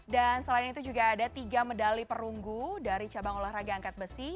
dan selain itu juga ada tiga medali perunggu dari cabang olahraga angkat besi